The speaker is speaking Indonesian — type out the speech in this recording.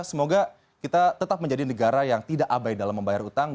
semoga kita tetap menjadi negara yang tidak abai dalam membayar utang